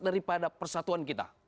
daripada persatuan kita